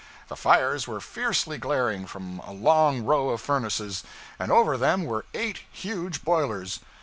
The fires were fiercely glaring from a long row of furnaces, and over them were eight huge boilers!